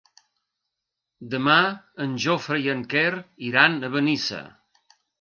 Demà en Jofre i en Quer iran a Benissa.